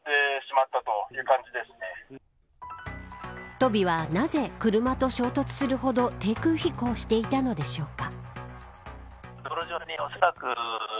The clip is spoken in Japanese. トビはなぜ、車と衝突するほど低空飛行していたのでしょうか。